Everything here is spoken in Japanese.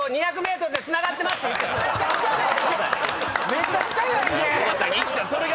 めちゃくちゃやんけ！